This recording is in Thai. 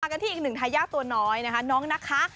กันที่อีกหนึ่งทายาทตัวน้อยนะคะน้องนะคะ